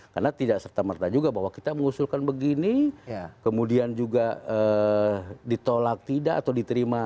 karena tidak serta merta juga bahwa kita mengusulkan begini kemudian juga ditolak tidak atau diterima